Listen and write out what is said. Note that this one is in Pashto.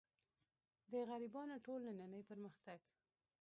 د غربیانو ټول نننۍ پرمختګ.